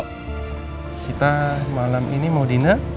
kita malam ini mau dina